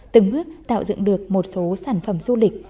từng bước tạo dựng được một số sản phẩm du lịch